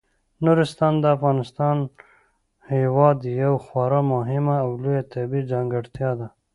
نورستان د افغانستان هیواد یوه خورا مهمه او لویه طبیعي ځانګړتیا ده.